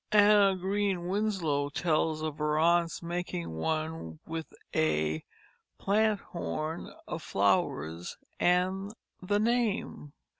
Anna Green Winslow tells of her aunts making one with "a planthorn of flowers" and the name.